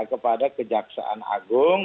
kepada kejaksaan agung